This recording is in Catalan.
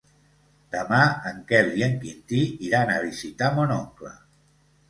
Demà en Quel i en Quintí iran a visitar mon oncle.